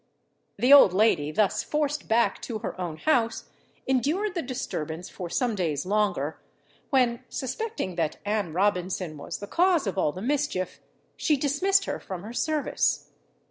The old lady thus forced back to her own house, endured the disturbance for some days longer, when suspecting that Anne Robinson was the cause of all the mischief, she dismissed her from her service.